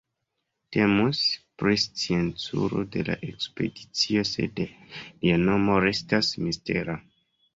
Temus pri scienculo de la ekspedicio sed lia nomo restas mistera.